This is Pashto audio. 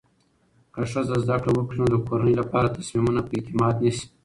که ښځه زده کړه وکړي، نو د کورنۍ لپاره تصمیمونه په اعتماد نیسي.